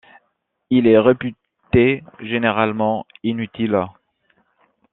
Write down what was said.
Il est réputé généralement inutile.